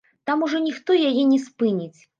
Там ужо ніхто яе не спыніць.